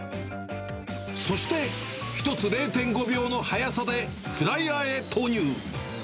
そして、１つ０．５秒の速さでフライヤーへ投入。